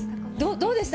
どうでした？